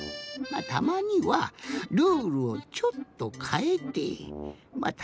たまにはルールをちょっとかえてまあ